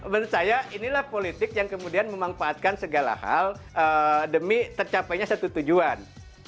menurut saya inilah politik yang kemudian memanfaatkan segala hal demi tercapainya satu tujuan